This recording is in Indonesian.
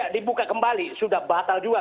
dibuka kembali sudah batal juga